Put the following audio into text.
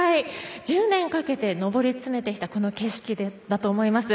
１０年かけて上り詰めてきたこの景色だと思います。